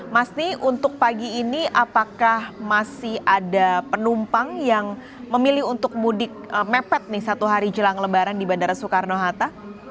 masni untuk pagi ini apakah masih ada penumpang yang memilih untuk mudik mepet nih satu hari jelang lebaran di bandara soekarno hatta